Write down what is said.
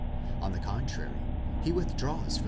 On the contrary, he withdraws from.